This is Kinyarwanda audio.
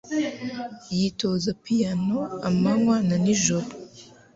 Yitoza piyano amanywa n'ijoro